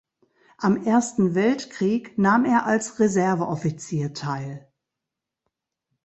Am Ersten Weltkrieg nahm er als Reserveoffizier teil.